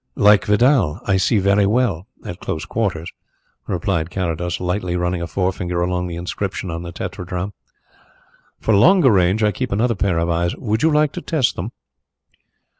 "Like Vidal, I see very well at close quarters," replied Carrados, lightly running a forefinger along the inscription on the tetradrachm. "For longer range I keep another pair of eyes. Would you like to test them?"